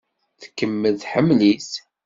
Tkemmel tḥemmel-it.